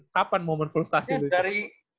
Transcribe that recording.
kapan moment frustasi lu itu ya dari